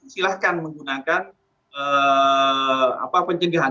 silahkan menggunakan penjegahan